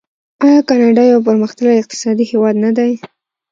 آیا کاناډا یو پرمختللی اقتصادي هیواد نه دی؟